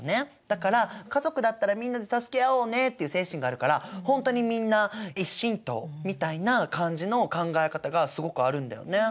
だから家族だったらみんなで助け合おうねっていう精神があるからほんとにみんな１親等みたいな感じの考え方がすごくあるんだよね。